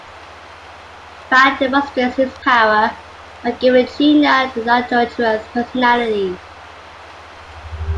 Valle demonstrates his power by giving Gina the adulterous personality.